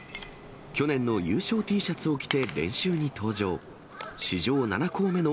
去年の優勝Ｔシャツを着て練習に登場。